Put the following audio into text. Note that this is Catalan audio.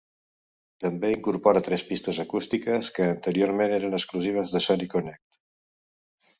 També incorpora tres pistes acústiques, que anteriorment eren exclusives de Sony Connect.